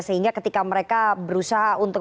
sehingga ketika mereka berusaha untuk